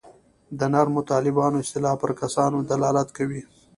د نرمو طالبانو اصطلاح پر کسانو دلالت کوي.